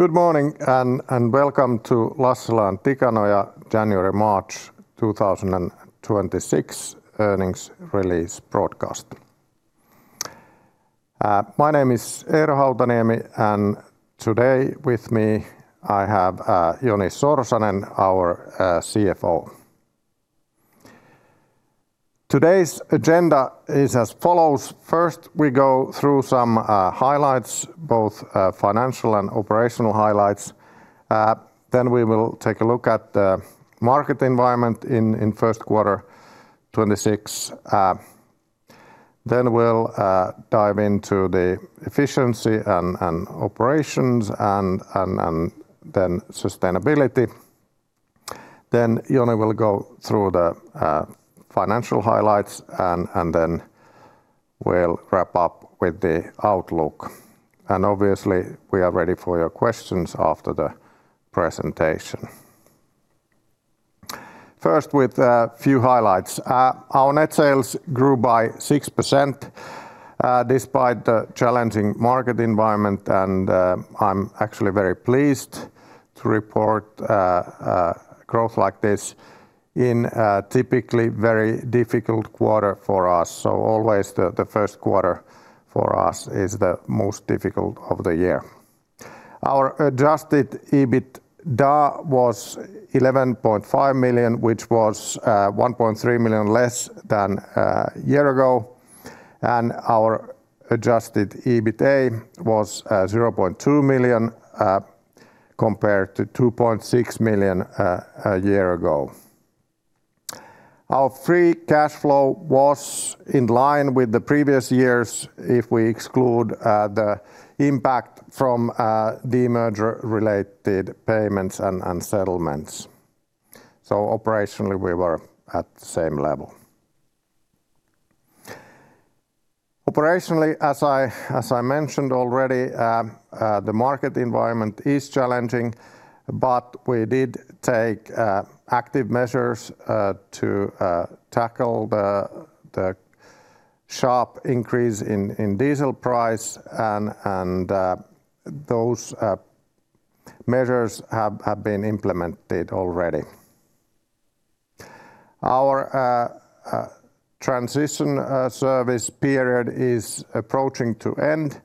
Good morning and welcome to Lassila & Tikanoja January-March 2026 earnings release broadcast. My name is Eero Hautaniemi, and today with me I have Joni Sorsanen, our CFO. Today's agenda is as follows. First, we go through some highlights, both financial and operational highlights. We will take a look at the market environment in first quarter 2026. We'll dive into the efficiency and operations and sustainability. Joni will go through the financial highlights, we'll wrap up with the outlook. Obviously we are ready for your questions after the presentation. First with a few highlights. Our net sales grew by 6% despite the challenging market environment and I'm actually very pleased to report growth like this in a typically very difficult quarter for us. Always the first quarter for us is the most difficult of the year. Our adjusted EBITDA was 11.5 million, which was 1.3 million less than a year ago. Our adjusted EBITDA was 0.2 million compared to 2.6 million a year ago. Our free cash flow was in line with the previous years if we exclude the impact from demerger-related payments and settlements. Operationally we were at the same level. Operationally, as I mentioned already, the market environment is challenging. We did take active measures to tackle the sharp increase in diesel price, and those measures have been implemented already. Our transition service period is approaching to end,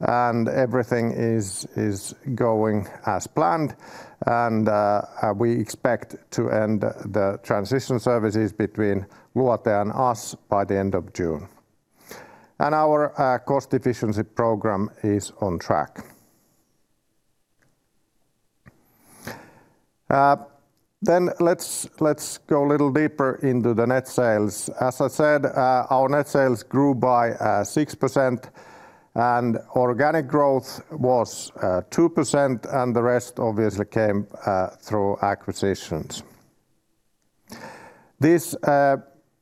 and everything is going as planned. We expect to end the transition services between Luotea and us by the end of June. Our cost efficiency program is on track. Let's go a little deeper into the net sales. As I said, our net sales grew by 6%, and organic growth was 2%. The rest obviously came through acquisitions. This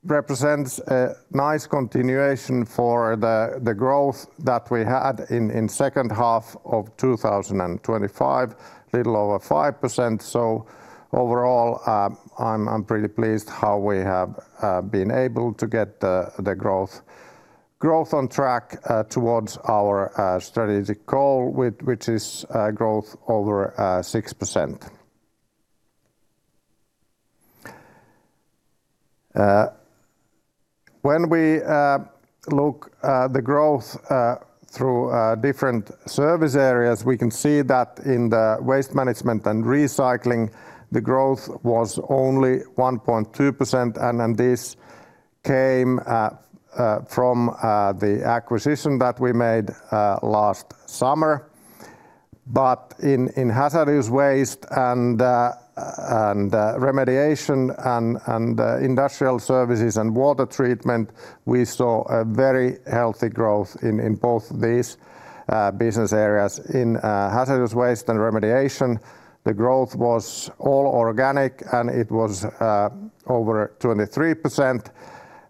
represents a nice continuation for the growth that we had in second half of 2025, a little over 5%. Overall, I'm pretty pleased how we have been able to get the growth on track towards our strategic goal, which is growth over 6%. When we look the growth through different service areas, we can see that in the waste management and recycling, the growth was only 1.2% and this came from the acquisition that we made last summer. In hazardous waste and remediation and industrial services and water treatment, we saw a very healthy growth in both these business areas. In hazardous waste and remediation, the growth was all organic, it was over 23%.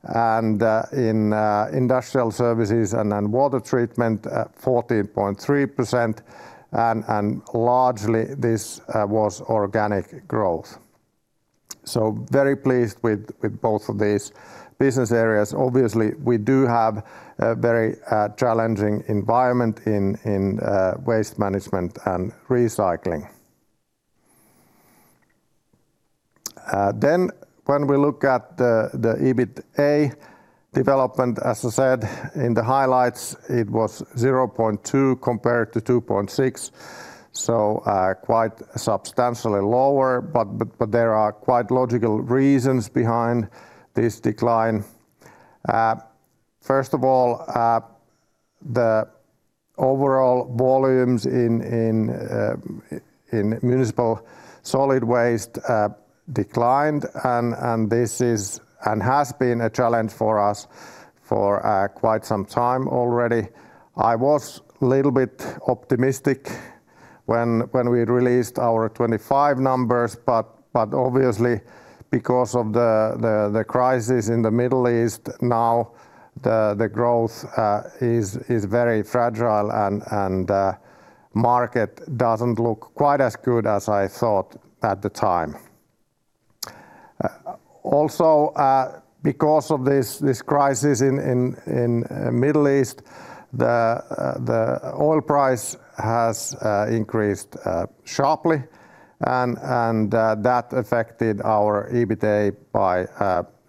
In industrial services and in water treatment, 14.3%. Largely this was organic growth. Very pleased with both of these business areas. Obviously, we do have a very challenging environment in waste management and recycling. When we look at the EBITDA development, as I said in the highlights, it was 0.2 compared to 2.6, quite substantially lower. There are quite logical reasons behind this decline. First of all, the overall volumes in municipal solid waste declined, this is and has been a challenge for us for quite some time already. I was a little bit optimistic when we released our 2025 numbers, but obviously because of the crisis in the Middle East now the growth is very fragile and market doesn't look quite as good as I thought at the time. Also, because of this crisis in Middle East, the oil price has increased sharply and that affected our EBITDA by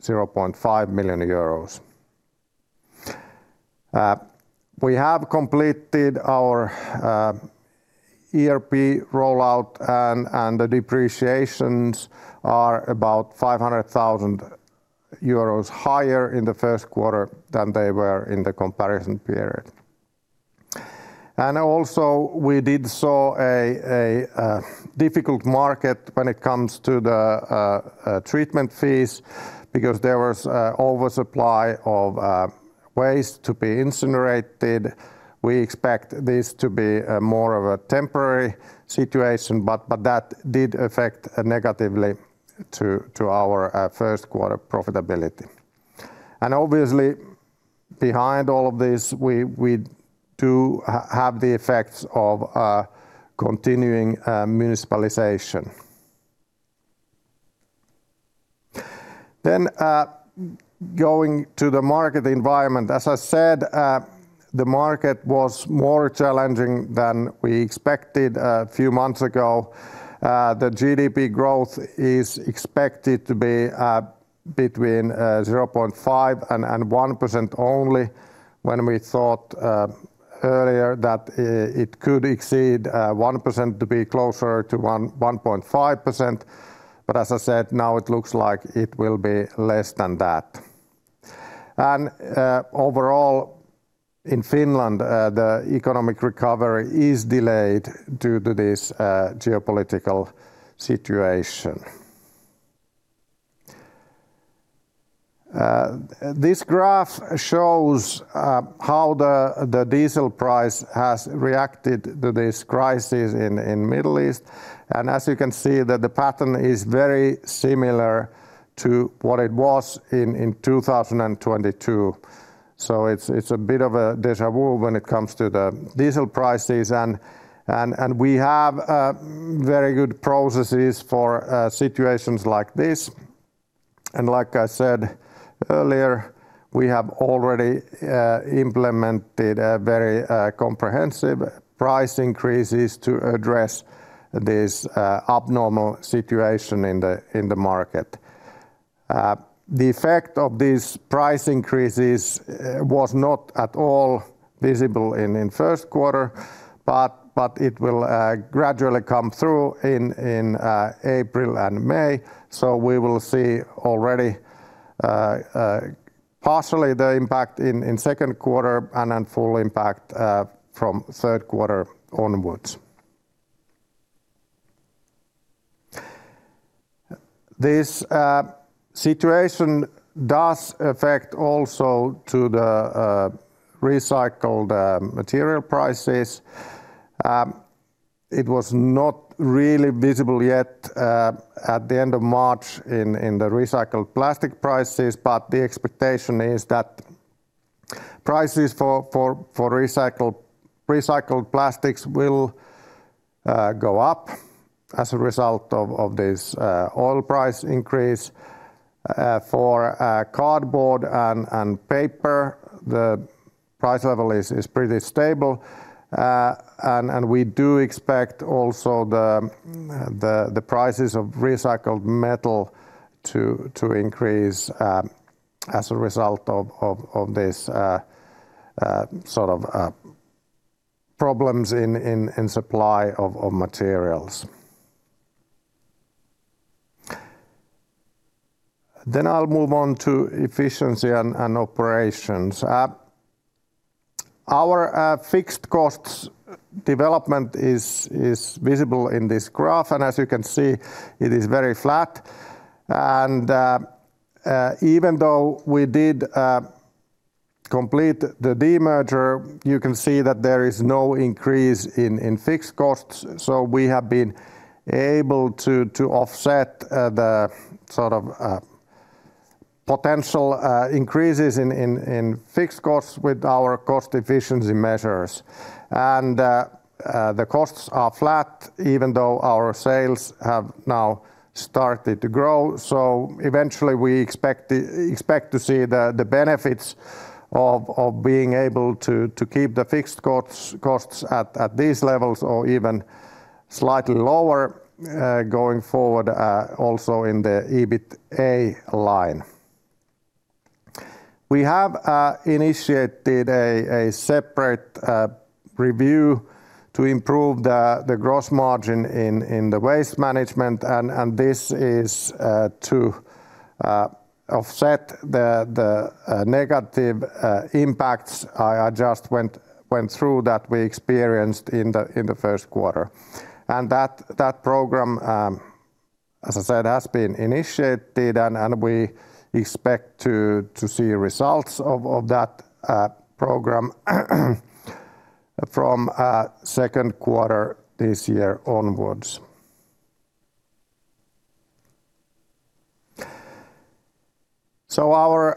0.5 million euros. We have completed our ERP rollout and the depreciations are about 500,000 euros higher in the first quarter than they were in the comparison period. Also we did see a difficult market when it comes to the treatment fees because there was oversupply of waste to be incinerated. We expect this to be more of a temporary situation, but that did affect negatively to our first quarter profitability. Obviously behind all of this, we do have the effects of continuing municipalization. Going to the market environment. As I said, the market was more challenging than we expected a few months ago. The GDP growth is expected to be between 0.5% and 1% only when we thought earlier that it could exceed 1% to be closer to 1.5%. As I said, now it looks like it will be less than that. Overall, in Finland, the economic recovery is delayed due to this geopolitical situation. This graph shows how the diesel price has reacted to this crisis in Middle East. As you can see that the pattern is very similar to what it was in 2022. It's a bit of a deja vu when it comes to the diesel prices and we have very good processes for situations like this. Like I said earlier, we have already implemented a very comprehensive price increases to address this abnormal situation in the market. The effect of these price increases was not at all visible in first quarter, but it will gradually come through in April and May. We will see already partially the impact in second quarter and then full impact from third quarter onwards. This situation does affect also to the recycled material prices. It was not really visible yet at the end of March in the recycled plastic prices, but the expectation is that prices for recycled plastics will go up as a result of this oil price increase. For cardboard and paper, the price level is pretty stable. And we do expect also the prices of recycled metal to increase as a result of this sort of problems in supply of materials. I'll move on to efficiency and operations. Our fixed costs development is visible in this graph. As you can see, it is very flat. Even though we did complete the demerger, you can see that there is no increase in fixed costs. We have been able to offset the sort of potential increases in fixed costs with our cost efficiency measures. The costs are flat even though our sales have now started to grow. Eventually we expect to see the benefits of being able to keep the fixed costs at these levels or even slightly lower going forward also in the EBITDA line. We have initiated a separate review to improve the gross margin in the waste management, and this is to offset the negative impacts I just went through that we experienced in the first quarter. That program, as I said, has been initiated and we expect to see results of that program, from second quarter this year onwards. Our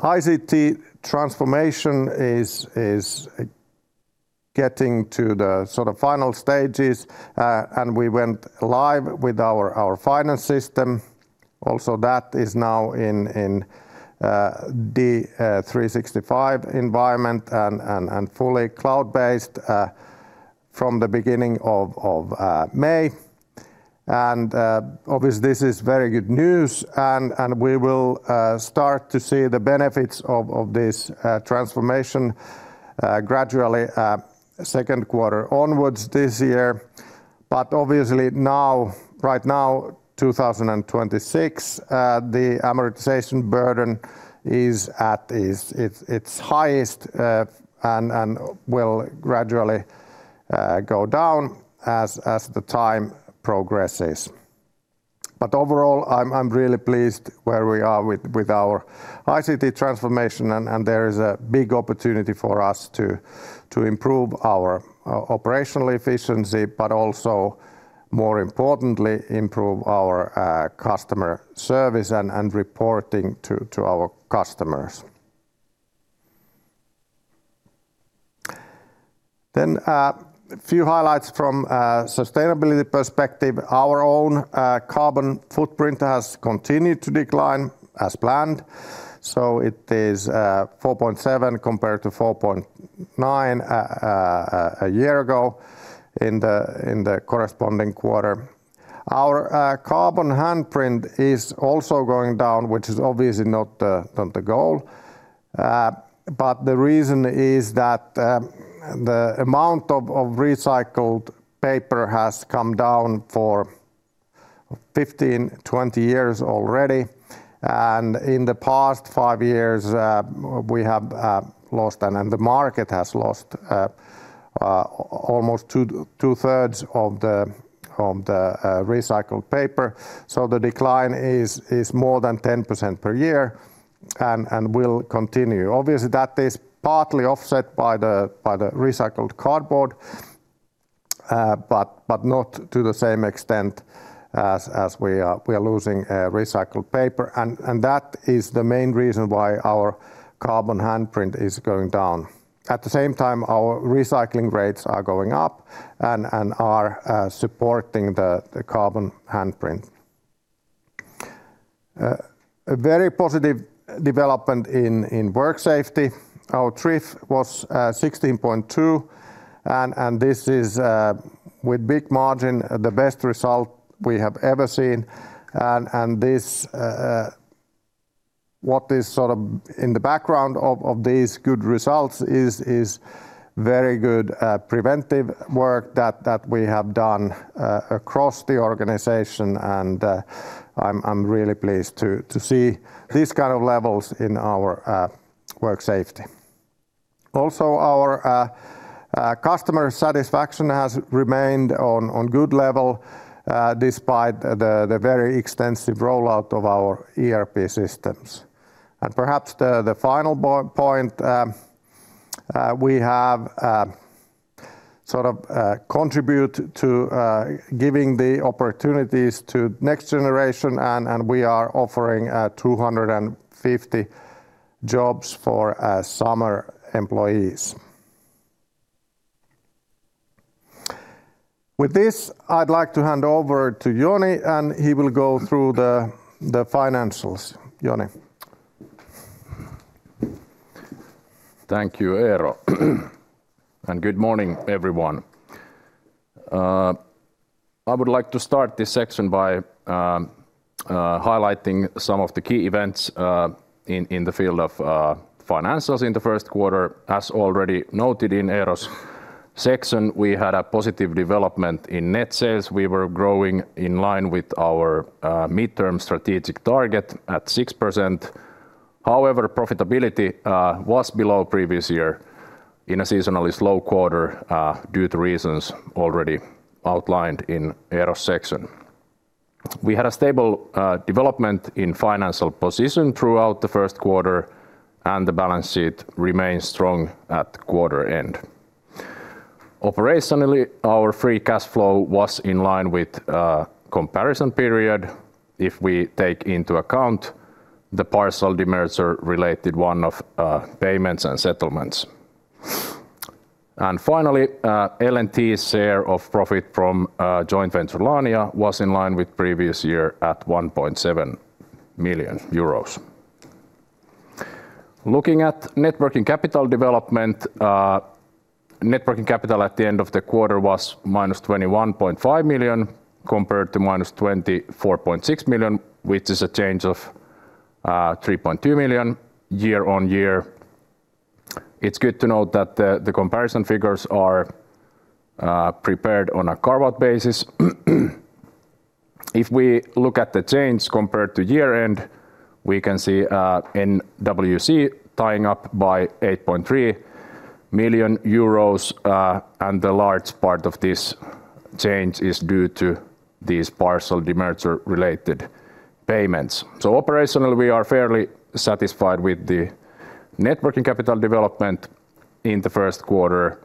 ICT transformation is getting to the sort of final stages, and we went live with our finance system. Also that is now in D365 environment and fully cloud-based from the beginning of May. Obviously this is very good news and we will start to see the benefits of this transformation gradually second quarter onwards this year. Obviously now, right now, 2026, the amortization burden is at its highest and will gradually go down as the time progresses. Overall I'm really pleased where we are with our ICT transformation and there is a big opportunity for us to improve our operational efficiency, but also more importantly, improve our customer service and reporting to our customers. A few highlights from a sustainability perspective. Our own carbon footprint has continued to decline as planned, so it is 4.7 compared to 4.9 a year ago in the corresponding quarter. Our carbon handprint is also going down, which is obviously not the goal. The reason is that the amount of recycled paper has come down for 15, 20 years already, and in the past five years, we have lost and the market has lost almost 2/3 of the recycled paper. The decline is more than 10% per year and will continue. Obviously, that is partly offset by the recycled cardboard, but not to the same extent as we are losing recycled paper. That is the main reason why our carbon handprint is going down. At the same time, our recycling rates are going up and are supporting the carbon handprint. A very positive development in work safety. Our TRIF was 16.2 and this is with big margin the best result we have ever seen. This, what is sort of in the background of these good results is very good preventive work that we have done across the organization. I'm really pleased to see these kind of levels in our work safety. Also our customer satisfaction has remained on good level despite the very extensive rollout of our ERP systems. Perhaps the final point, we have sort of contributed to giving the opportunities to next generation and we are offering 250 jobs for summer employees. With this, I'd like to hand over to Joni, and he will go through the financials. Joni. Thank you, Eero. Good morning, everyone. I would like to start this section by highlighting some of the key events in the field of financials in the first quarter. As already noted in Eero's section, we had a positive development in net sales. We were growing in line with our midterm strategic target at 6%. However, profitability was below previous year in a seasonally slow quarter due to reasons already outlined in Eero's section. We had a stable development in financial position throughout the first quarter, and the balance sheet remained strong at quarter end. Operationally, our free cash flow was in line with comparison period if we take into account the partial demerger related one-off payments and settlements. Finally, L&T's share of profit from joint venture Laania was in line with previous year at 1.7 million euros. Looking at net working capital development, net working capital at the end of the quarter was -21.5 million compared to -24.6 million, which is a change of 3.2 million year-on-year. It's good to note that the comparison figures are prepared on a carve-out basis. We look at the change compared to year-end, we can see NWC tying up by 8.3 million euros, and the large part of this change is due to these partial demerger-related payments. Operationally, we are fairly satisfied with the net working capital development in the first quarter.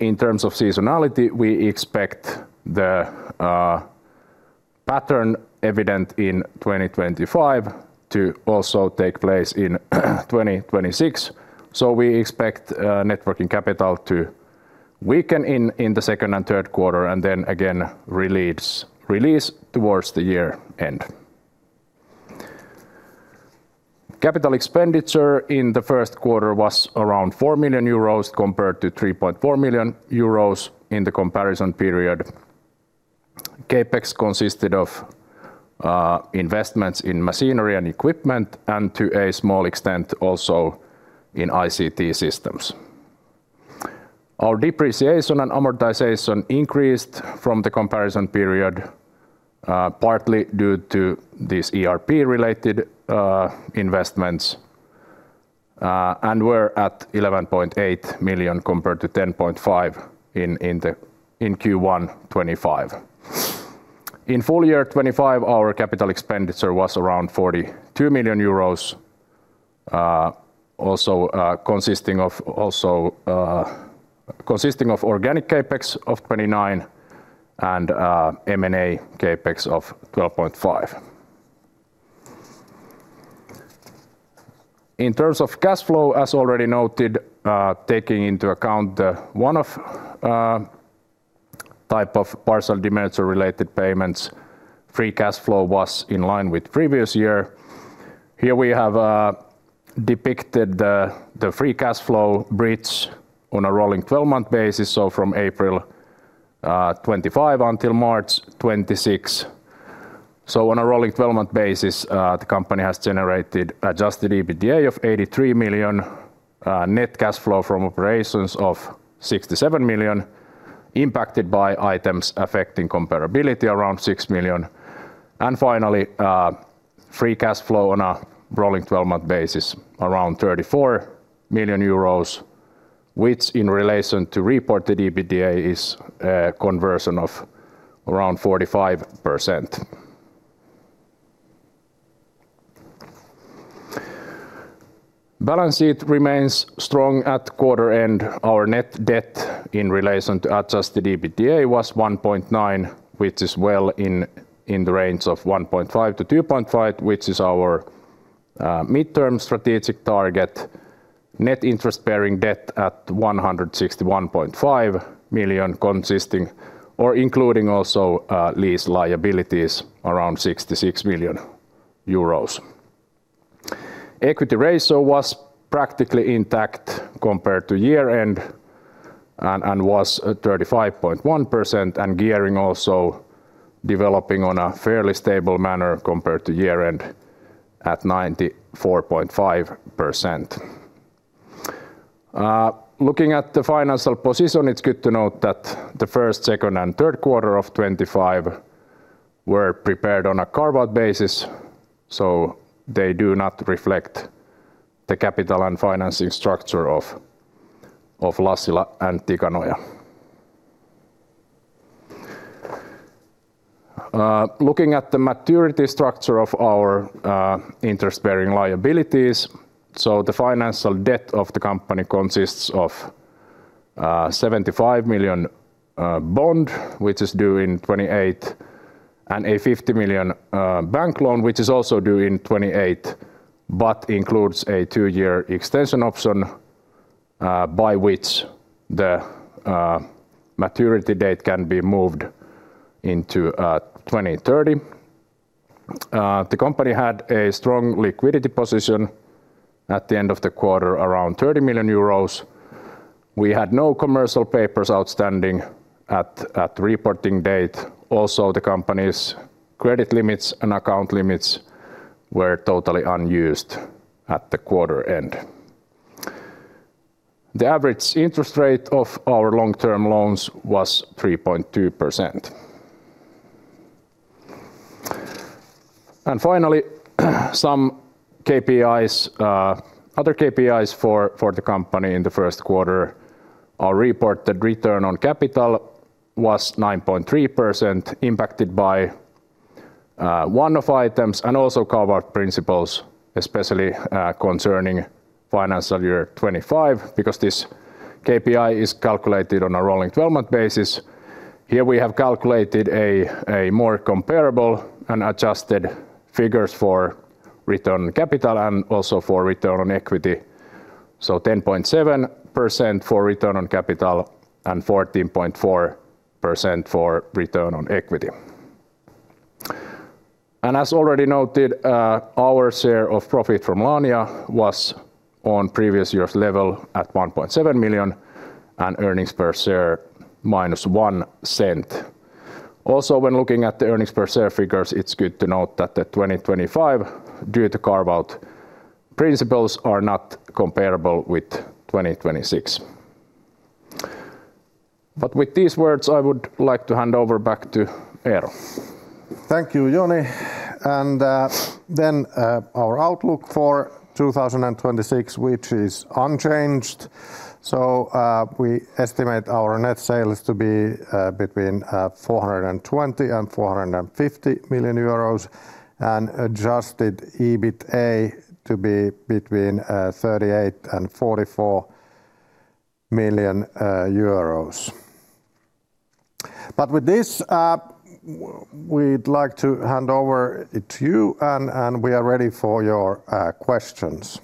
In terms of seasonality, we expect the pattern evident in 2025 to also take place in 2026. We expect net working capital to weaken in the second and third quarter, and then again release towards the year end. Capital expenditure in the first quarter was around 4 million euros compared to 3.4 million euros in the comparison period. CapEx consisted of investments in machinery and equipment, and to a small extent also in ICT systems. Our depreciation and amortization increased from the comparison period, partly due to these ERP-related investments, and we're at 11.8 million compared to 10.5 million in Q1 2025. In full year 2025, our capital expenditure was around 42 million euros, also consisting of organic CapEx of 29 and M&A CapEx of 12.5. In terms of cash flow, as already noted, taking into account the one-off type of partial demerger-related payments, free cash flow was in line with previous year. Here we have depicted the free cash flow bridge on a rolling 12-month basis, from April 2025 until March 2026. On a rolling 12-month basis, the company has generated adjusted EBITDA of 83 million, net cash flow from operations of 67 million, impacted by items affecting comparability around 6 million. Finally, free cash flow on a rolling 12-month basis around 34 million euros, which in relation to reported EBITDA is a conversion of around 45%. Balance sheet remains strong at quarter end. Our net debt in relation to adjusted EBITDA was 1.9, which is well in the range of 1.5-2.5, which is our midterm strategic target. Net interest-bearing debt at 161.5 million, consisting or including also lease liabilities around 66 million euros. Equity ratio was practically intact compared to year end and was at 35.1%, and gearing also developing on a fairly stable manner compared to year end at 94.5%. Looking at the financial position, it's good to note that the first, second, and third quarter of 2025 were prepared on a carve-out basis, so they do not reflect the capital and financing structure of Lassila & Tikanoja. Looking at the maturity structure of our interest-bearing liabilities. The financial debt of the company consists of 75 million bond, which is due in 2028, and a 50 million bank loan, which is also due in 2028 but includes a two-year extension option, by which the maturity date can be moved into 2030. The company had a strong liquidity position at the end of the quarter, around 30 million euros. We had no commercial papers outstanding at reporting date. Also, the company's credit limits and account limits were totally unused at the quarter end. The average interest rate of our long-term loans was 3.2%. Finally, some KPIs, other KPIs for the company in the first quarter. Our reported return on capital was 9.3%, impacted by one-off items and also carve-out principles, especially concerning financial year 2025, because this KPI is calculated on a rolling 12-month basis. Here we have calculated a more comparable and adjusted figures for return on capital and also for return on equity. 10.7% for return on capital and 14.4% for return on equity. As already noted, our share of profit from Laania was on previous year's level at 1.7 million, and earnings per share -0.01. Also, when looking at the earnings per share figures, it's good to note that the 2025, due to carve-out principles, are not comparable with 2026. With these words, I would like to hand over back to Eero. Thank you, Joni. Our outlook for 2026, which is unchanged. We estimate our net sales to be between 420 million and 450 million euros and adjusted EBITDA to be between 38 million and 44 million euros. With this, we'd like to hand over it to you and we are ready for your questions.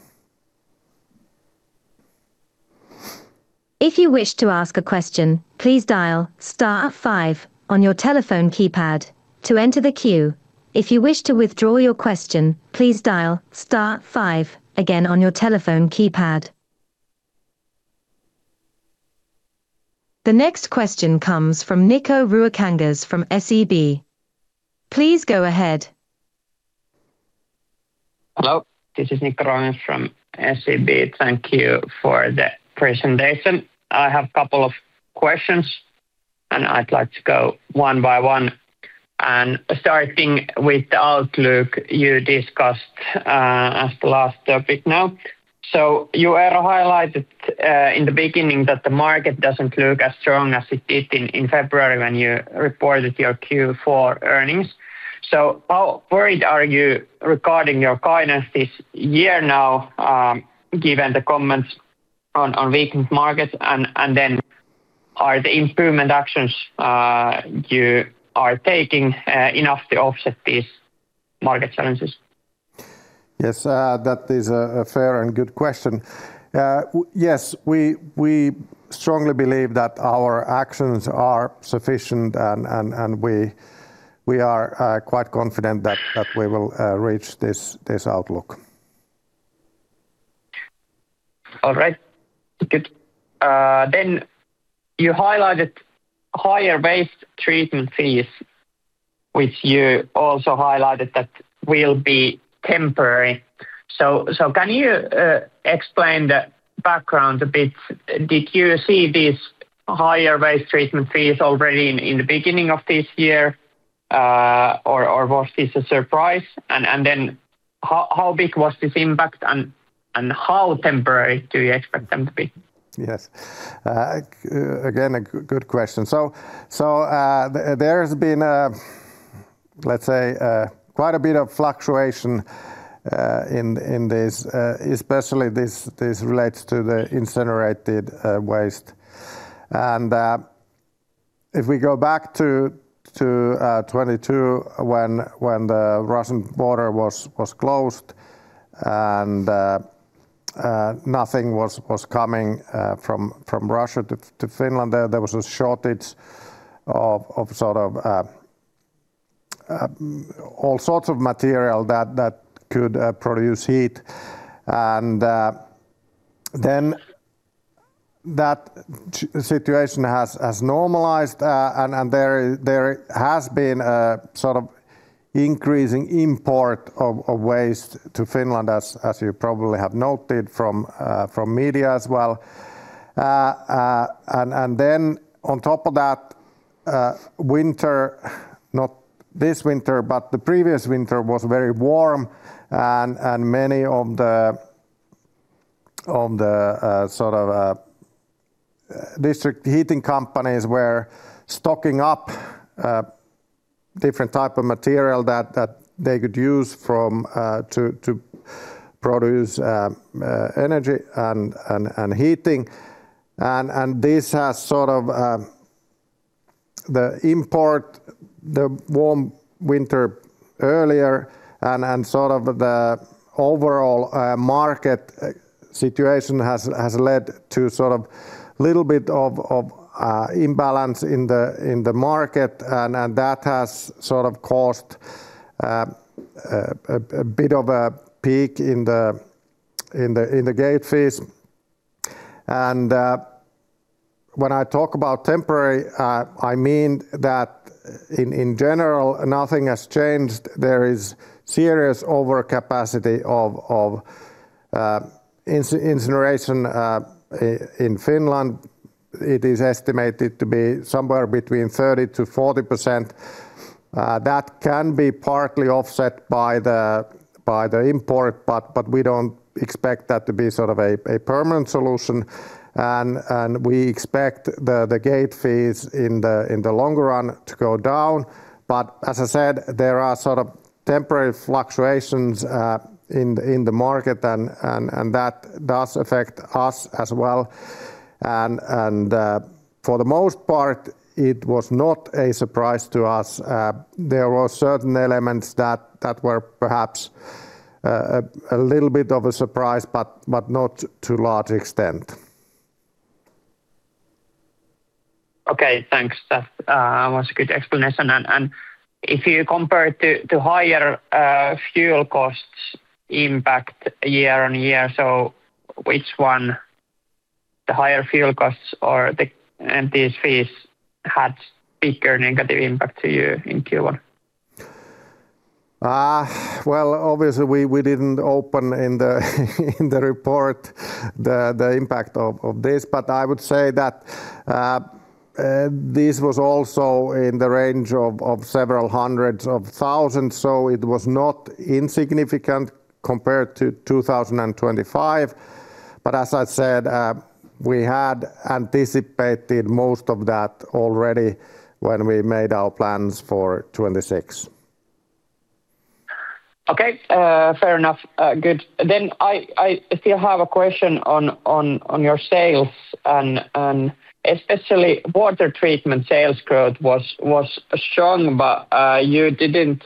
If you wish to ask a question please dial star five on your telephone keypad to enter the queue. If you wish to withdraw your question please dial star five again on your telephone keypad. The next question comes from Nikko Ruokangas from SEB. Please go ahead. Hello, this is Nikko Ruokangas from SEB. Thank you for the presentation. I have a couple of questions, and I'd like to go one by one and starting with the outlook you discussed as the last topic now. You, Eero, highlighted in the beginning that the market doesn't look as strong as it did in February when you reported your Q4 earnings. How worried are you regarding your guidance this year now, given the comments on weakened markets? Are the improvement actions you are taking enough to offset these market challenges? Yes, that is a fair and good question. Yes, we strongly believe that our actions are sufficient and we are quite confident that we will reach this outlook. All right. Good. You highlighted higher waste treatment fees, which you also highlighted that will be temporary. Can you explain the background a bit? Did you see these higher waste treatment fees already in the beginning of this year, or was this a surprise? How big was this impact and how temporary do you expect them to be? Yes. Again, a good question. There's been a, let's say, a quite a bit of fluctuation in this, especially this relates to the incinerated waste. If we go back to 2022 when the Russian border was closed and nothing was coming from Russia to Finland, there was a shortage of all sorts of material that could produce heat. Then that situation has normalized, and there has been a sort of increasing import of waste to Finland as you probably have noted from media as well. Then on top of that, winter, not this winter, but the previous winter was very warm and many of the sort of district heating companies were stocking up different type of material that they could use to produce energy and heating. This has sort of the import, the warm winter earlier and sort of the overall market situation has led to sort of little bit of imbalance in the market and that has sort of caused a bit of a peak in the gate fees. When I talk about temporary, I mean that in general nothing has changed. There is serious overcapacity of incineration in Finland. It is estimated to be somewhere between 30%-40% that can be partly offset by the, by the import. We don't expect that to be sort of a permanent solution. We expect the gate fees in the longer run to go down. As I said, there are sort of temporary fluctuations in the market and that does affect us as well. For the most part it was not a surprise to us. There were certain elements that were perhaps a little bit of a surprise, but not to large extent. Okay. Thanks. That was a good explanation. If you compare to higher fuel costs impact year-on-year, which one, the higher fuel costs or the gate fees had bigger negative impact to you in Q1? Well, obviously we didn't open in the report the impact of this. I would say that this was also in the range of several hundreds of thousands. It was not insignificant compared to 2025. As I said, we had anticipated most of that already when we made our plans for 2026. Okay, fair enough. Good. I still have a question on your sales and especially water treatment sales growth was strong, but you didn't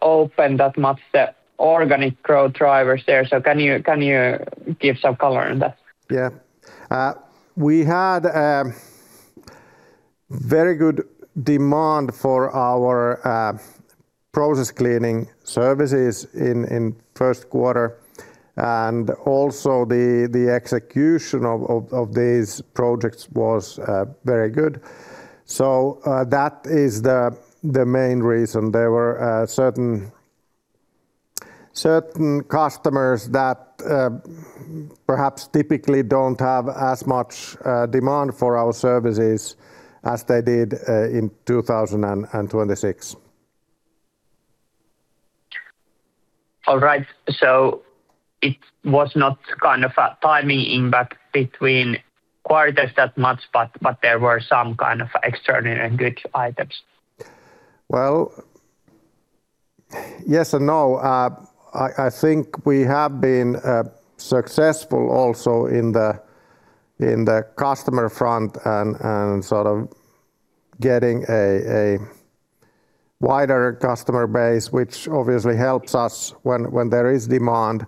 open that much the organic growth drivers there. Can you give some color on that? Yeah. We had very good demand for our process cleaning services in first quarter, and also the execution of these projects was very good. That is the main reason there were certain customers that perhaps typically don't have as much demand for our services as they did in 2026. All right. It was not kind of a timing impact between quarters that much but there were some kind of extraordinary good items. Well, yes and no. I think we have been successful also in the customer front and sort of getting a wider customer base, which obviously helps us when there is demand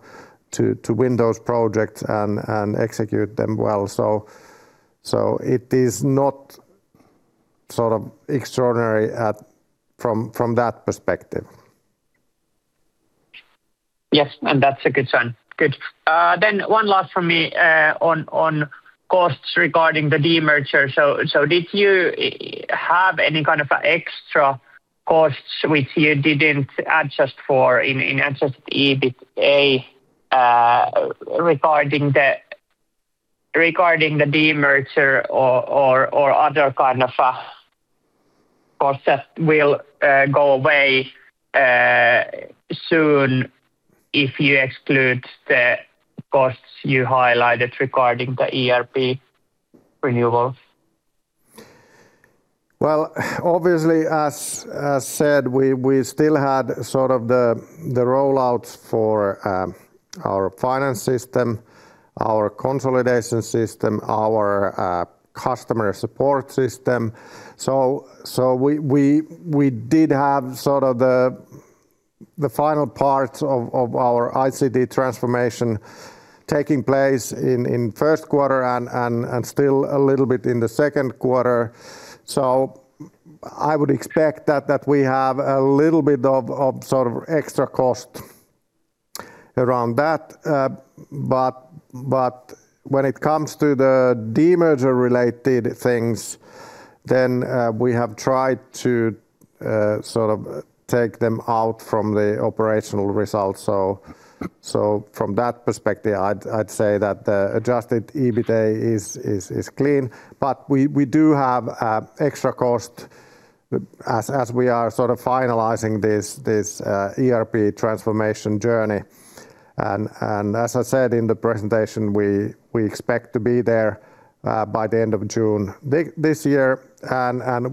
to win those projects and execute them well. It is not sort of extraordinary from that perspective. Yes, that's a good sign. Good. One last from me on costs regarding the demerger. Did you have any kind of extra costs which you didn't adjust for in adjusted EBITDA regarding the demerger or other kind of costs that will go away soon if you exclude the costs you highlighted regarding the ERP renewals? Obviously, as I said, we still had sort of the rollouts for our finance system, our consolidation system, our customer support system. We did have sort of the final parts of our ICT transformation taking place in first quarter and still a little bit in the second quarter. I would expect that we have a little bit of sort of extra cost around that. When it comes to the demerger related things, we have tried to sort of take them out from the operational results. From that perspective, I'd say that the adjusted EBITDA is clean. We do have extra cost as we are sort of finalizing this ERP transformation journey. As I said in the presentation, we expect to be there by the end of June this year.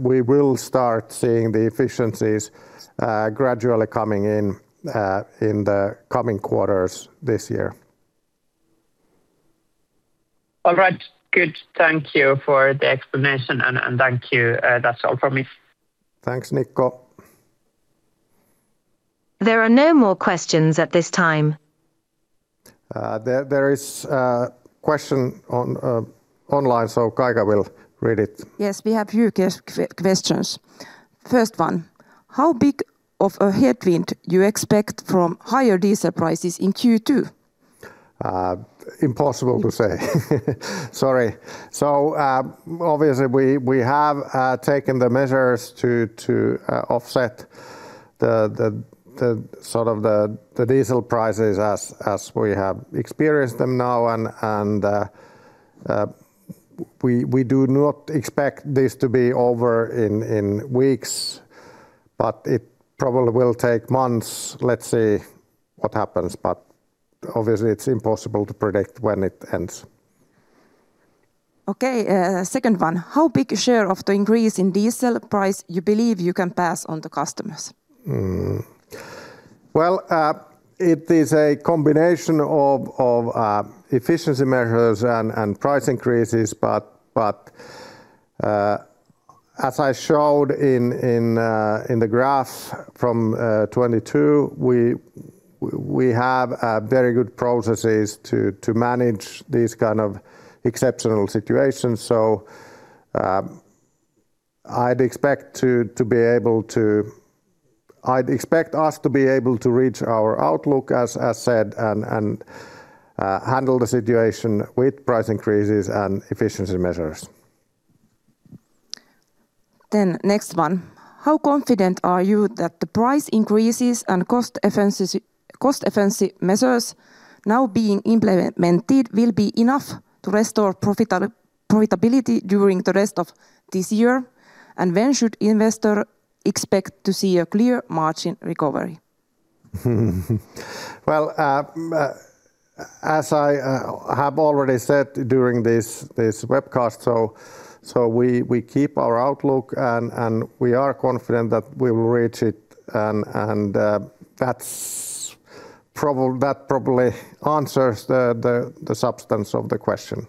We will start seeing the efficiencies gradually coming in in the coming quarters this year. All right. Good. Thank you for the explanation, and thank you. That's all from me. Thanks, Nikko. There are no more questions at this time. There is a question on online, so Kaika will read it. Yes, we have few questions. First one: How big of a headwind you expect from higher diesel prices in Q2? Impossible to say. Sorry. Obviously we have taken the measures to offset the sort of the diesel prices as we have experienced them now and we do not expect this to be over in weeks, but it probably will take months. Let's see what happens. Obviously it's impossible to predict when it ends. Okay, second one. How big a share of the increase in diesel price you believe you can pass on to customers? It is a combination of efficiency measures and price increases. As I showed in the graph from 2022, we have very good processes to manage these kind of exceptional situations. I'd expect us to be able to reach our outlook as said, and handle the situation with price increases and efficiency measures. Next one. How confident are you that the price increases and cost efficiency measures now being implemented will be enough to restore profitability during the rest of this year? When should investor expect to see a clear margin recovery? As I have already said during this webcast, so we keep our outlook and we are confident that we will reach it. That probably answers the substance of the question.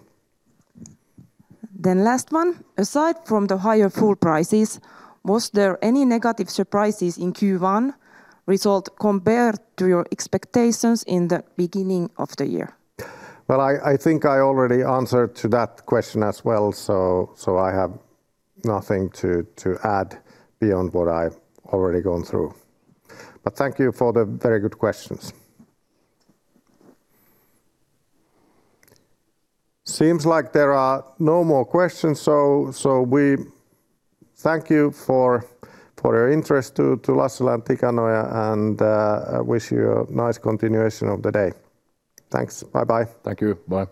Last one. Aside from the higher fuel prices, was there any negative surprises in Q1 result compared to your expectations in the beginning of the year? I think I already answered to that question as well, so I have nothing to add beyond what I've already gone through. Thank you for the very good questions. Seems like there are no more questions, so we thank you for your interest to Lassila & Tikanoja and wish you a nice continuation of the day. Thanks. Bye-bye. Thank you. Bye.